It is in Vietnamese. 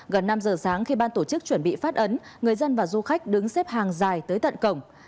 gần năm giờ sáng khi ban tổ chức chuẩn bị phát ấn người dân và du khách đứng xếp hàng dài tới tận cổng